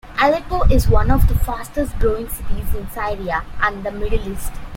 Aleppo is one of the fastest-growing cities in Syria and the Middle East.